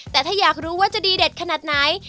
แต่ถ้าอยากรู้ว่าจะดีเด็ดขนาดไหน